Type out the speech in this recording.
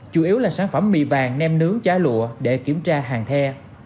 chủ yếu là sản phẩm mì vàng nem nướng chá lụa để kiểm tra hàng the